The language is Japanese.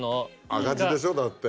赤字でしょだって。